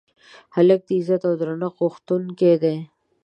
هلک د عزت او درنښت غوښتونکی دی.